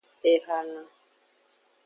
Ehalan.